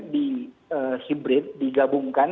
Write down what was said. di hybrid digabungkan